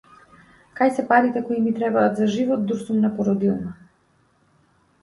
Кај се парите кои ми требаат за живот дур сум на породилно.